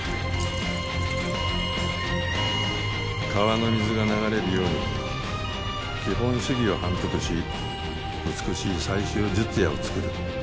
川の水が流れるように基本手技を反復し美しい最終術野を作る。